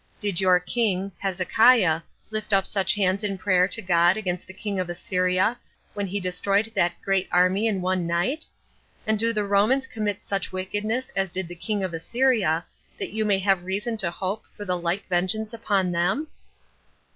Did your king [Hezekiah] lift up such hands in prayer to God against the king of Assyria, when he destroyed that great army in one night? And do the Romans commit such wickedness as did the king of Assyria, that you may have reason to hope for the like vengeance upon them?